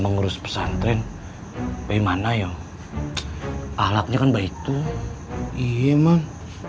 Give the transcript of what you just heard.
mengurus pesantren bagaimana yuk ahlaknya kan baik tuh iya emang